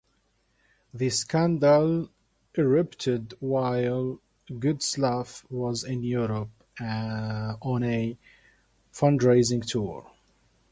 The scandal erupted while Gutzlaff was in Europe on a fundraising tour.